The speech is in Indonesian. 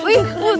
mulai dari kamu